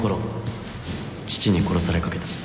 父に殺されかけた